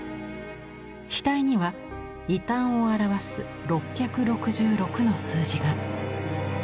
額には異端を表す６６６の数字が。